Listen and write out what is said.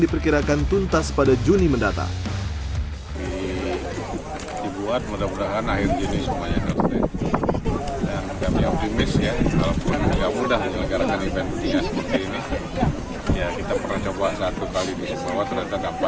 diperkirakan tuntas pada juni mendatang dibuat mudah mudahan akhir juni semuanya selesai